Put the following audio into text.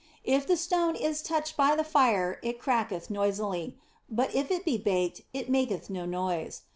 If the stone be touched by the fire it cracketh noisily, but if it be baked it maketh no noise.